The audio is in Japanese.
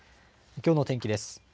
きょうの天気です。